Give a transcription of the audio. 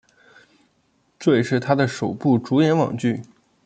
这也是他的首部主演网剧。